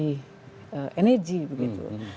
dan kita tahu bahwa energi hari ini tadi ini adalah energi